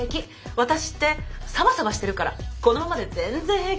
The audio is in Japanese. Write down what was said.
ワタシってサバサバしてるからこのままで全然平気。